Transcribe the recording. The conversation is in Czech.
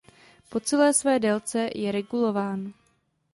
Po celé své délce je regulován.